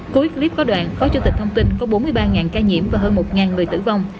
cuối clip có đoạn phó chủ tịch thông tin có bốn mươi ba ca nhiễm và hơn một người tử vong